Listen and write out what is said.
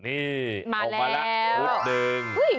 ออกมาแล้ว